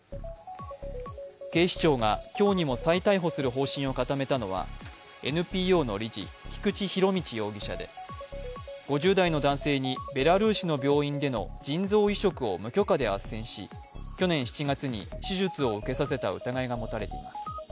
警視庁が今日にも再逮捕する方針を固めたのはＮＰＯの理事、菊池仁達容疑者で５０代の男性にベラルーシの病院での腎臓移植を無許可であっせんし去年７月に手術を受けさせた疑いが持たれています。